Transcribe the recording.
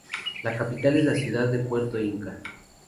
La capital es la ciudad de Puerto Inca.